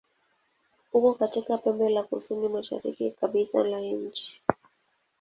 Uko katika pembe la kusini-mashariki kabisa la nchi.